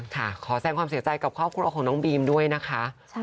ขอแสงความเสียใจกับครอบครัวของน้องบีมด้วยนะคะ